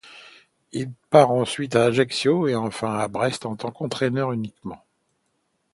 Il part ensuite à Ajaccio et enfin à Brest en tant qu'entraîneur uniquement.